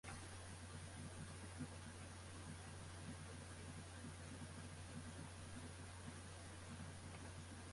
Skriuw dat as nûmer.